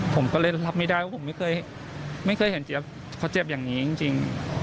ผมก็เลยรับไม่ได้ว่าผมไม่เคยเห็นเจี๊ยบเขาเจ็บอย่างนี้จริง